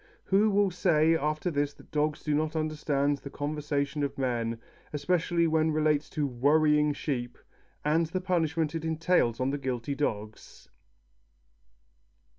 Who will say after this that dogs do not understand the conversation of men, especially when it relates to "worrying" sheep, and the punishment it entails on the guilty dogs?